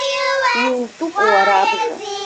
Иутәуп уара абжа.